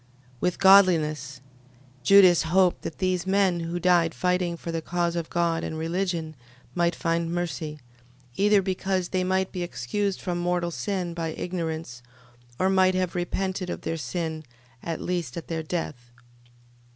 With godliness... Judas hoped that these men who died fighting for the cause of God and religion, might find mercy: either because they might be excused from mortal sin by ignorance; or might have repented of their sin, at least at their death.